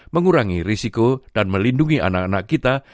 mengurangi risiko dan melindungi anak anak kita